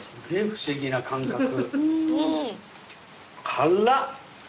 辛っ！